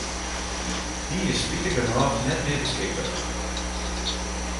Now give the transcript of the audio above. Dy is spitigernôch net mear beskikber.